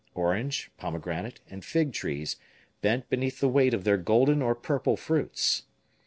Orange, pomegranate, and fig trees bent beneath the weight of their golden or purple fruits.